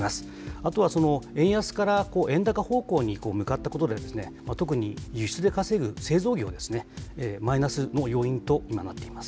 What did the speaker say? あとは円安から円高方向に向かったことで、特に輸出で稼ぐ製造業ですね、マイナスの要因となっています。